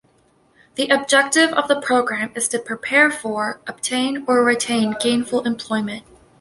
The objective of the program is to prepare for, obtain or retain gainful employment.